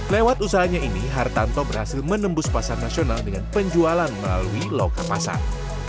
lewat usahanya ini hartanto berhasil menembus pasar nasional dengan penjualan melalui loka pasar